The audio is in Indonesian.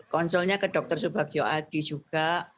konsolnya ke dokter subagio adi juga